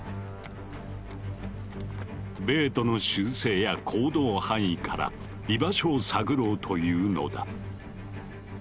ベートの習性や行動範囲から居場所を探ろうというのだ。